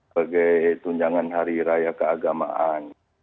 sebagai tunjangan hari raya keagamaan